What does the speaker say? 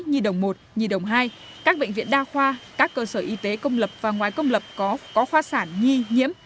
nhi đồng một nhi đồng hai các bệnh viện đa khoa các cơ sở y tế công lập và ngoài công lập có khoa sản nhi nhiễm